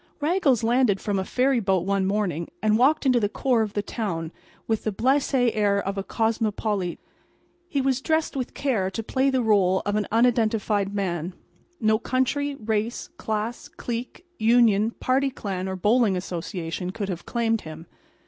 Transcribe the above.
Raggles landed from a ferry boat one morning and walked into the core of the town with the blasé air of a cosmopolite. He was dressed with care to play the rôle of an "unidentified man." No country, race, class, clique, union, party clan or bowling association could have claimed him.